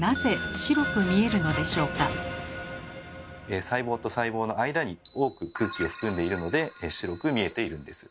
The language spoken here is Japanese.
では細胞と細胞の間に多く空気を含んでいるので白く見えているんです。